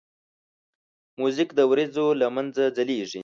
موزیک د وریځو له منځه ځلیږي.